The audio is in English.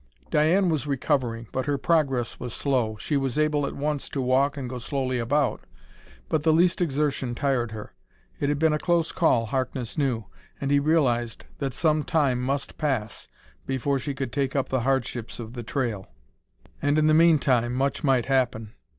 Diane was recovering, but her progress was slow. She was able at once to walk and go slowly about, but the least exertion tired her. It had been a close call, Harkness knew, and he realized that some time must pass before she could take up the hardships of the trail. And in the meantime much might happen.